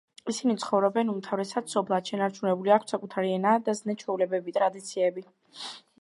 ისინი ცხოვრობენ უმთავრესად სოფლად, შენარჩუნებული აქვთ საკუთარი ენა და ზნე-ჩვეულებები, ტრადიციები.